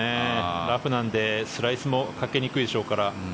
ラフなのでスライスもかけにくいでしょうから。